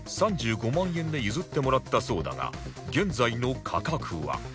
３５万円で譲ってもらったそうだが現在の価格は